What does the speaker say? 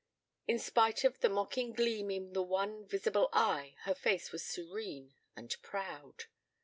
In spite of the mocking gleam in the one visible eye her face was serene and proud.